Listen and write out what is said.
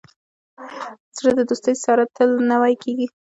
زړه د دوستۍ سره تل نوی کېږي.